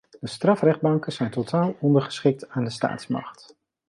De strafrechtbanken zijn totaal ondergeschikt aan de staatsmacht.